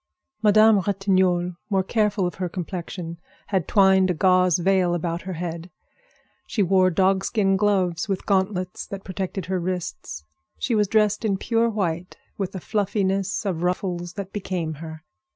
Madame Ratignolle, more careful of her complexion, had twined a gauze veil about her head. She wore dogskin gloves, with gauntlets that protected her wrists. She was dressed in pure white, with a fluffiness of ruffles that became her.